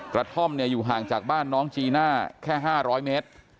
กระท่อมอยู่ห่างจากบ้านน้องจีน่าแค่๕๐๐เมตร